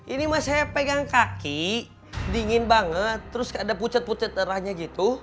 ini mas saya pegang kaki dingin banget terus ada pucat pucat darahnya gitu